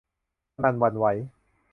สนั่นหวั่นไหว